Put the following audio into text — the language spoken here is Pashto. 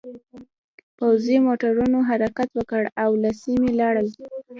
پوځي موټرونو حرکت وکړ او له سیمې لاړل